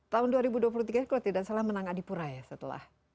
tahun dua ribu dua puluh tiga kalau tidak salah menang adipura ya setelah